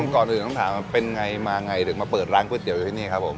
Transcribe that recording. ก่อนอื่นต้องถามว่าเป็นไงมาไงถึงมาเปิดร้านก๋วยเตี๋ยวอยู่ที่นี่ครับผม